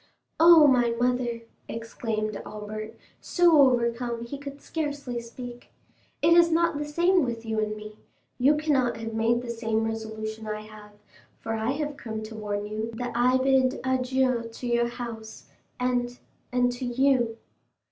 "Oh, my mother!" exclaimed Albert, so overcome he could scarcely speak; "it is not the same with you and me—you cannot have made the same resolution I have, for I have come to warn you that I bid adieu to your house, and—and to you."